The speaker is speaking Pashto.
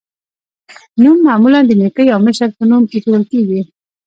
نوم معمولا د نیکه یا مشر په نوم ایښودل کیږي.